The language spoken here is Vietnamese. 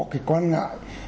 cái quan ngại